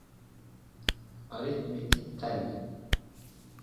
Aritmetikten.